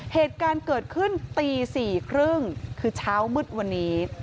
เหตุการณ์เกิดขึ้นตี๔๓๐คือเช้ามืดวันนี้